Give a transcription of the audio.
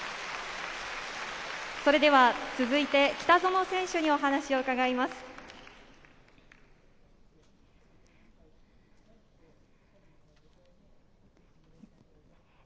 続いて北園選手にお話を伺います。